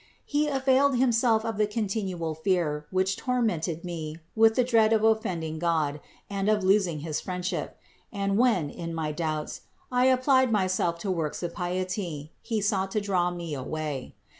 He availed himself of the continual fear, which tormented me with the dread of offending God and of losing* his friendship and when, in my doubts, I applied myself to works of piety, he sought to draw me away.